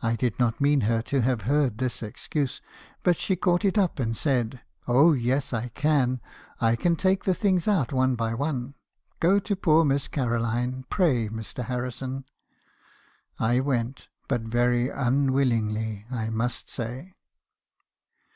"I did not mean her to have heard this excuse; but she caught it up and said —"' Oh , yes I can ! I can take the things out one by one. Go to poor Miss Caroline, pray, Mr. Harrison.' "I went; but very unwillingly, I must say.